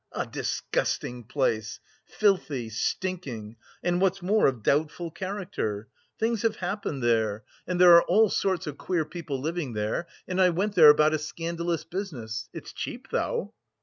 "A disgusting place filthy, stinking and, what's more, of doubtful character. Things have happened there, and there are all sorts of queer people living there. And I went there about a scandalous business. It's cheap, though..."